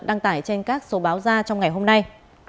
đăng tải trên các số báo ra trong ngày hôm nay